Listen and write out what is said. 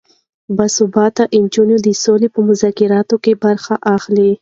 باسواده نجونې د سولې په مذاکراتو کې برخه اخلي.